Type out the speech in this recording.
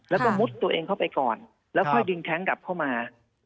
แล้วก็มุดตัวเองเข้าไปก่อนแล้วค่อยดึงแท้งกลับเข้ามา